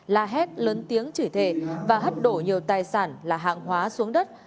la hét lớn tiếng chửi thề và hất đổ nhiều tài sản là hàng hóa xuống đất